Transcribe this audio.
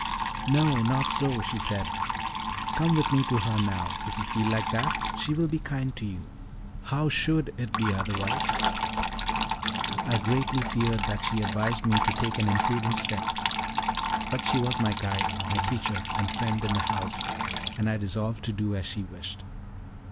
"No, not so," she said. "Come with me to her now: if you feel like that, she will be kind to you how should it be otherwise?" I greatly feared that she advised me to take an imprudent step; but she was my guide, my teacher and friend in the house, and I resolved to do as she wished.